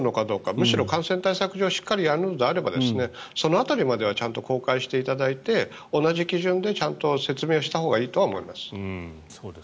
むしろ感染対策上しっかりやるのであればその辺りまではちゃんと公開していただいて同じ基準でちゃんと説明したほうがいいとは思います。